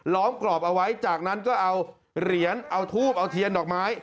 ้อมกรอบเอาไว้จากนั้นก็เอาเหรียญเอาทูบเอาเทียนดอกไม้